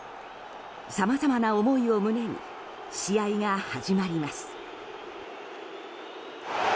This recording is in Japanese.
さまざまな思いを胸に試合が始まります。